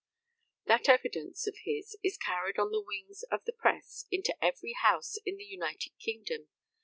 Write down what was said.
That evidence of his is carried on the wings of the press into every house in the United Kingdom.